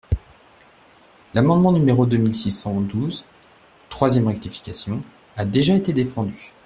L’amendement numéro deux mille six cent douze, troisième rectification, a déjà été défendu.